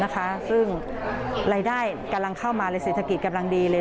กำลังเข้ามาเลยเศรษฐกิจกำลังดีเลย